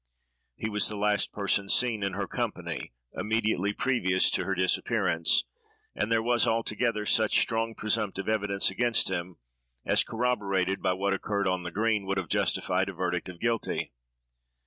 He was the last person seen in her company, immediately previous to her disappearance; and there was, altogether, such strong presumptive evidence against him, as corroborated by what occurred on the green would have justified a verdict of guilty.